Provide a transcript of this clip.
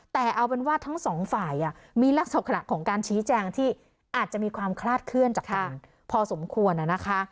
แต่เอาเป็นว่าทั้งสองฝ่ายมีลักษณะของการชี้แจงที่อาจจะมีความคลาดเคลื่อนจากต่างพอสมควรนะคะ